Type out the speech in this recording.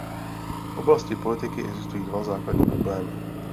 V oblasti politiky existují dva základní problémy.